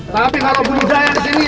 tapi kalau bunuh saya disini